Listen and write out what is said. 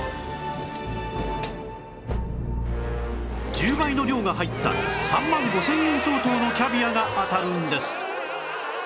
１０倍の量が入った３万５０００円相当のキャビアが当たるんです